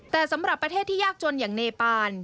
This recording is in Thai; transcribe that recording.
แต่สำหรับประเทศที่ยากจนอย่างเนปาน